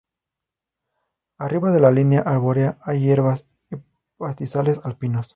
Arriba de la línea arbórea hay hierbas y pastizales alpinos.